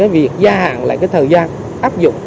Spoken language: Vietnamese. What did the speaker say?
việc gia hạn lại thời gian áp dụng